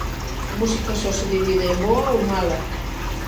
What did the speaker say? A música só se divide en boa ou mala.